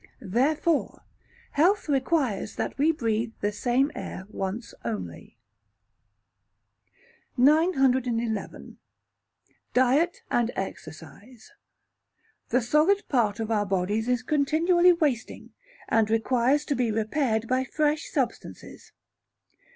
Therefore, health requires that we breathe the same air once only. 911. Diet and Exercise. The solid part of our Bodies is continually wasting, and requires to be repaired by fresh substances.